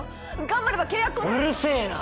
頑張れば契約うるせえな！